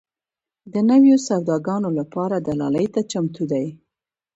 د نویو سوداګانو لپاره دلالۍ ته چمتو دي.